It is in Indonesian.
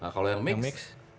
nah kalau yang mix